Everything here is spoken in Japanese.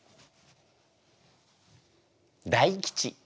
大吉！